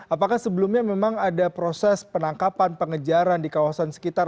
apakah sebelumnya memang ada proses penangkapan pengejaran di kawasan sekitar